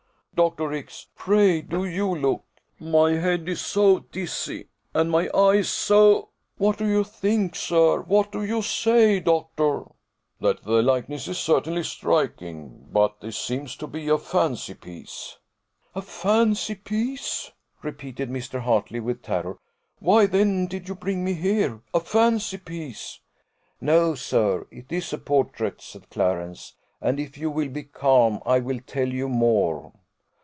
Dr. X , pray do you look. My head is so dizzy, and my eyes so What do you think, sir? What do you say, doctor?" "That the likeness is certainly striking but this seems to be a fancy piece." "A fancy piece," repeated Mr. Hartley, with terror: "why then did you bring me here? A fancy piece!" "No, sir; it is a portrait," said Clarence; "and if you will be calm, I will tell you more."